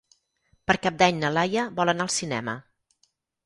Per Cap d'Any na Laia vol anar al cinema.